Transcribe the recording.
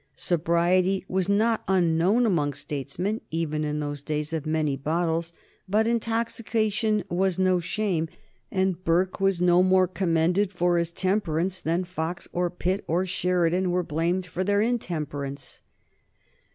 Sobriety was not unknown among statesmen even in those days of many bottles, but intoxication was no shame, and Burke was no more commended for his temperance than Fox, or Pitt, or Sheridan were blamed for their intemperance.